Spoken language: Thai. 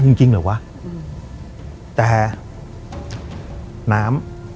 อืม